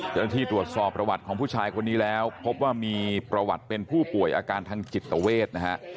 เจ้าหน้าที่ตรวจสอบประวัติของผู้ชายคนนี้แล้วพบว่ามีประวัติเป็นผู้ป่วยอาการทางจิตเวทนะฮะ